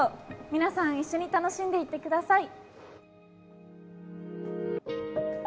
皆さん一緒に楽しんでいってください